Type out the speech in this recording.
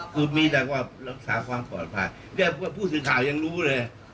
คือมีแต่ว่ารักษาความปลอดภัยพูดสิทธิ์ข่ายังรู้เลย